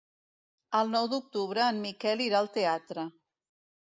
El nou d'octubre en Miquel irà al teatre.